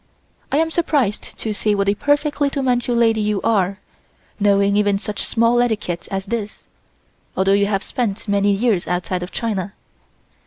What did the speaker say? I am surprised to see what a perfect little Manchu lady you are, knowing even such small etiquette as this, although you have spent many years outside of China."